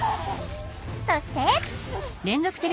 そして。